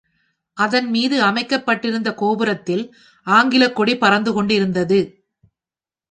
அதன் மீது அமைக்கப்பட்டிருந்த கோபுரத்தில் ஆங்கிலக் கொடி பறந்து கொண்டிருந்தது.